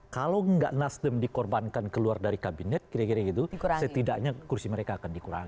kalau nggak nasdem dikorbankan keluar dari kabinet kira kira gitu setidaknya kursi mereka akan dikurangi